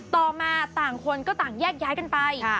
ต่อมาต่างคนก็ต่างแยกย้ายกันไป